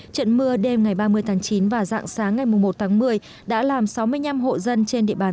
trận mưa đêm ngày ba mươi tháng chín và dạng sáng ngày một tháng một mươi đã làm sáu mươi năm hộ dân trên địa bàn